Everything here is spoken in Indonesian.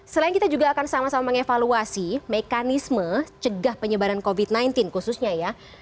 selain kita juga akan sama sama mengevaluasi mekanisme cegah penyebaran covid sembilan belas khususnya ya